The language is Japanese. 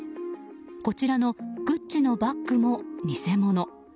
こちらのグッチのバッグも偽物。